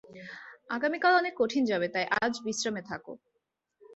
আগামীকাল অনেক কঠিন যাবে তাই আজ বিশ্রামে থাকো।